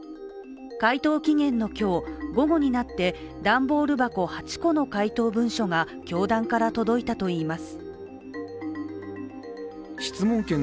回答期限の今日、午後になって段ボール箱８個の回答文書が教団から届いたといいます。